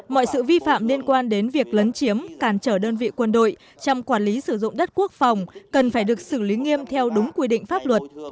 mọi sự vi phạm liên quan đến việc lấn chiếm cản trở đơn vị quân đội chăm quản lý sử dụng đất quốc phòng cần phải được xử lý nghiêm theo đúng quy định pháp luật